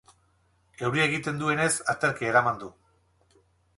Euria egiten duenez, aterkia eraman du.